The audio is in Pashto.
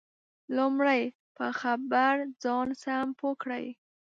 لمړی په خبر ځان سم پوه کړئ